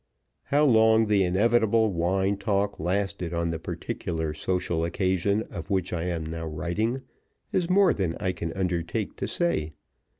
How long the inevitable wine talk lasted on the particular social occasion of which I am now writing is more than I can undertake to say.